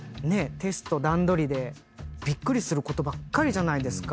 テスト段取りでびっくりすることばっかりじゃないですか。